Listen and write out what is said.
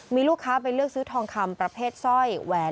มีลูกค้าไปเลือกซื้อทองคำประเภทสร้อยแหวน